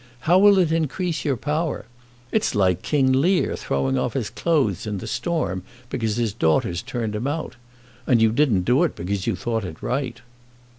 How will it increase your power? It's like King Lear throwing off his clothes in the storm because his daughters turned him out. And you didn't do it because you thought it right."